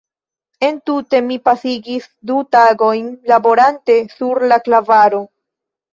Entute mi pasigis du tagojn laborante sur la klavaro.